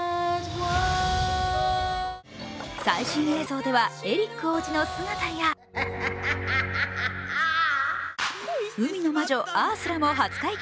最新映像では、エリック王子の姿や海の魔女・アースラも初解禁。